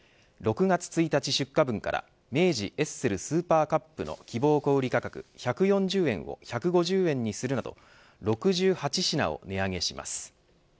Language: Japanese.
６月１日出荷分から明治エッセルスーパーカップの希望小売価格を１４０円を１５０円にするなど６８品を値上げします。